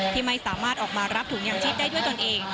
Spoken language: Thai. ที่ไม่สามารถออกมารับถุงยังชีพได้ด้วยตนเอง